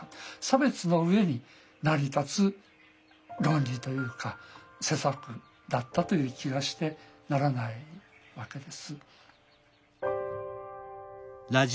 差別の上に成り立つ論理というか施策だったという気がしてならないわけです。